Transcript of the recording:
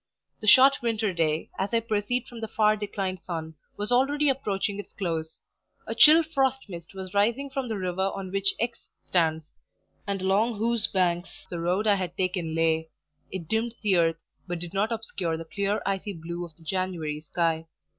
The short winter day, as I perceived from the far declined sun, was already approaching its close; a chill frost mist was rising from the river on which X stands, and along whose banks the road I had taken lay; it dimmed the earth, but did not obscure the clear icy blue of the January sky.